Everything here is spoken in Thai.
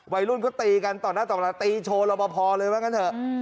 วัยรุ่นก็ตีกันต่อหน้าต่อมาตีโชว์ลบพอเลยมากันเถอะ